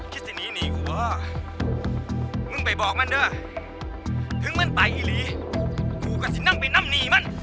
ถึงมันป่ายอีหลีกูก็สินำไปนำหนีมัน